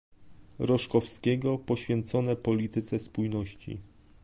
Roszkowskiego poświęcone polityce spójności